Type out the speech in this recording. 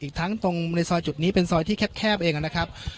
อีกทั้งตรงในซอยจุดนี้เป็นซอยที่แคบเองนะครับ